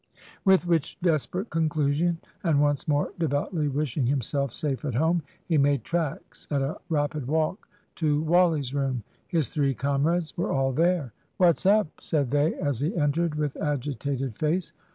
With which desperate conclusion, and once more devoutly wishing himself safe at home, he made tracks, at a rapid walk, to Wally's room. His three comrades were all there. "What's up?" said they as he entered, with agitated face.